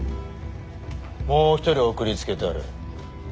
もう一人送りつけたる。